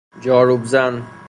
جاروب زن